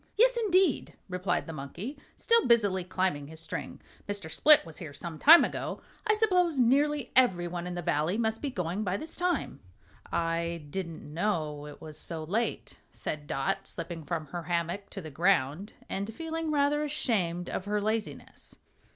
"Yes, indeed," replied the monkey, still busily climbing his string; "Mr. Split was here some time ago. I suppose nearly everyone in the Valley must be going by this time." "I didn't know it was so late," said Dot, slipping from her hammock to the ground and feeling rather ashamed of her laziness.